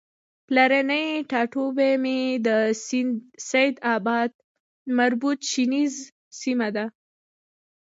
پلرنی ټاټوبی مې د سیدآباد مربوط شنیز سیمه ده